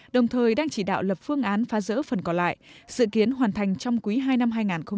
đồng thời đang chỉ đạo lập phương án phá rỡ phần còn lại dự kiến hoàn thành trong quý hai năm hai nghìn một mươi sáu